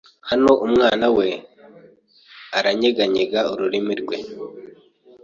Hano umunwa we uranyeganyega ururimi rwe